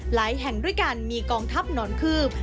แห่งด้วยกันมีกองทัพหนอนคืบ